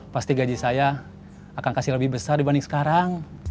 pasti gaji saya akan kasih lebih besar dibanding sekarang